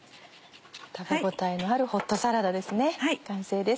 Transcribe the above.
食べ応えのあるホットサラダです